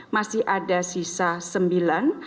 masih ada sisa sembilan